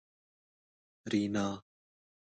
رینا